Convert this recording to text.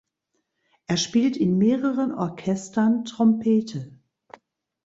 Er spielt in mehreren Orchestern Trompete.